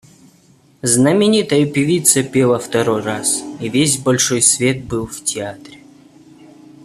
Знаменитая певица пела второй раз, и весь большой свет был в театре.